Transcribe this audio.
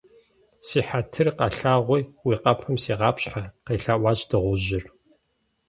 - Си хьэтыр къэлъагъуи, уи къэпым сигъапщхьэ, - къелъэӏуащ дыгъужьыр.